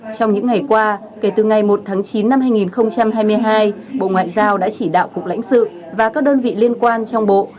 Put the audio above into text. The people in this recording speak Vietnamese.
trong những ngày qua kể từ ngày một tháng chín năm hai nghìn hai mươi hai bộ ngoại giao đã chỉ đạo cục lãnh sự và các đơn vị liên quan trong bộ